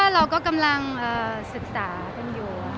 เราก็กำลังศึกษากันอยู่